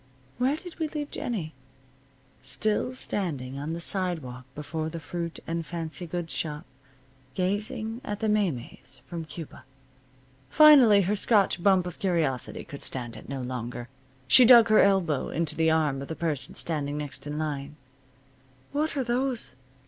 Where did we leave Jennie? Still standing on the sidewalk before the fruit and fancy goods shop, gazing at the maymeys from Cuba. Finally her Scotch bump of curiosity could stand it no longer. She dug her elbow into the arm of the person standing next in line. "What are those?"